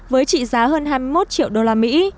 với trị giá hơn hai mươi một triệu đô la mỹ